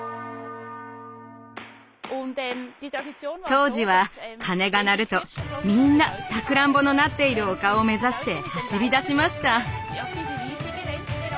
当時は鐘が鳴るとみんなさくらんぼのなっている丘を目指して走りだしました。